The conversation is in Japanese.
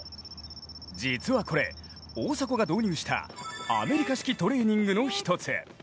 実はこれ、大迫が導入したアメリカ式トレーニングの一つ。